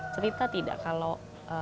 cerita tidak kalau